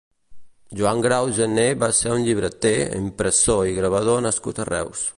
Joan Grau Gené va ser un llibreter, impressor i gravador nascut a Reus.